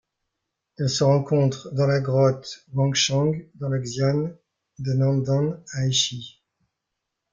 Elle se rencontre dans la grotte Wangshang dans le xian de Nandan à Hechi.